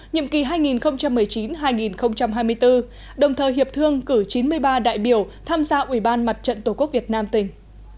nhiệm kỳ hai nghìn một mươi chín hai nghìn hai mươi bốn đồng thời hiệp thương cử chín mươi ba đại biểu tham gia ủy ban mặt trận tổ quốc việt nam tỉnh